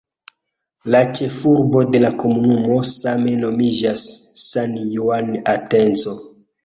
La ĉefurbo de la komunumo same nomiĝas "San Juan Atenco".